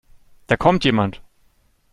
Da kommt jemand.